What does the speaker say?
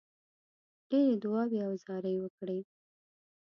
ډېرې دعاوي او زارۍ وکړې.